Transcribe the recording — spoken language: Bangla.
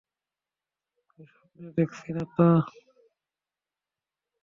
আমি স্বপ্ন দেখছি নাতো?